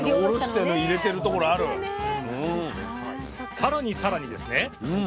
さらにさらにですね